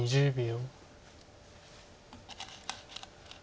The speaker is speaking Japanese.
１０秒。